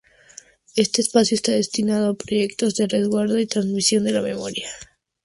Este espacio está destinado a proyectos de resguardo y transmisión de la memoria.